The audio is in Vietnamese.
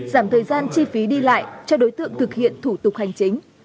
giảm thời gian chi phí đi lại cho đối tượng thực hiện thủ tục hành chính